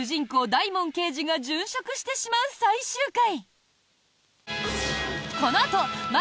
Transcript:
・大門刑事が殉職してしまう最終回。